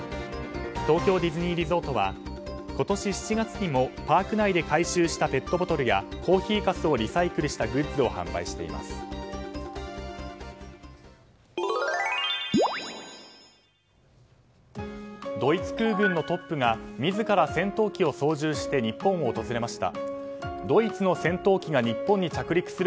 東京ディズニーリゾートは今年７月にもパーク内で回収したペットボトルやコーヒーかすをリサイクルしたグッズを販売しています。